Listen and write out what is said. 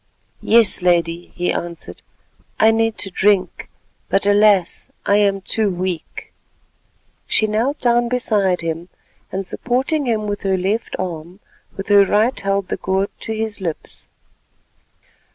"Yes, Lady," he answered; "I need to drink, but alas! I am too weak." She knelt down beside him, and supporting him with her left arm, with her right held the gourd to his lips.